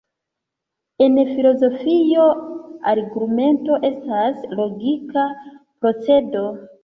En filozofio, argumento estas logika procedo.